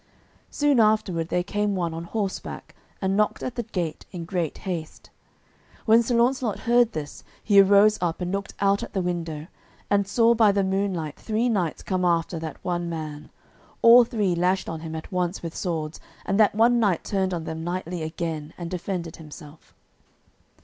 Soon afterward there came one on horseback, and knocked at the gate in great haste. When Sir Launcelot heard this, he arose up and looked out at the window, and saw by the moonlight three knights come after that one man; all three lashed on him at once with swords, and that one knight turned on them knightly again and defended himself.